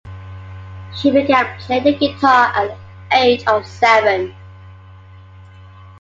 She began playing the guitar at the age of seven.